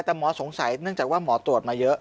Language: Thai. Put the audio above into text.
แต่หมอสงสัยเนื่องจากว่าหมอตรวจมาเยอะ